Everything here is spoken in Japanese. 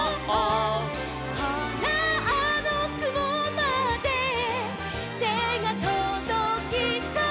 「ほらあのくもまでてがとどきそう」